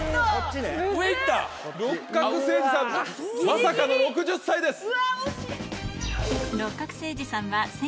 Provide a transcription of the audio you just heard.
まさかの６０歳です！